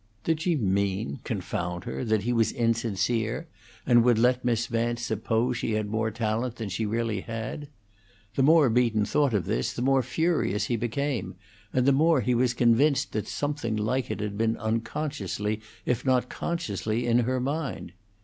Did she mean, confound her? that he was insincere, and would let Miss Vance suppose she had more talent than she really had? The more Beaton thought of this, the more furious he became, and the more he was convinced that something like it had been unconsciously if not consciously in her mind.